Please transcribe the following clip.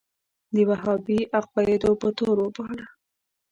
د وهابي عقایدو په تور وباله.